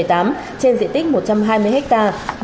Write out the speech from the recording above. trên diện tích một trăm hai mươi hectare